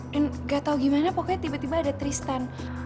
dan gak tau gimana pokoknya tiba tiba ada tristan